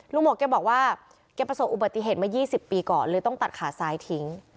หมวกแกบอกว่าแกประสบอุบัติเหตุมา๒๐ปีก่อนเลยต้องตัดขาซ้ายทิ้ง